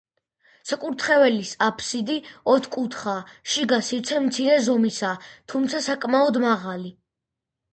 საკურთხევლის აფსიდი ოთხკუთხაა, შიგა სივრცე მცირე ზომისა, თუმცა საკმაოდ მაღალი.